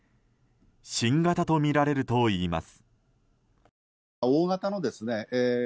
新型とみられるといいます。